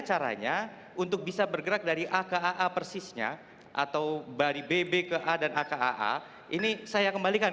caranya untuk bisa bergerak dari a ke aa persisnya atau dari bb ke a dan a ke aa ini saya kembalikan